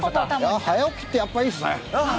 早起きってやっぱいいですね。